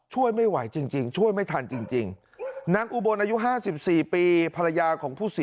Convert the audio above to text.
ให้มันช่วยก่อนนะครับ